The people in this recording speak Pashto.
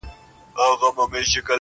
قاسمیار په زنځیر بند تړلی خوښ یم ,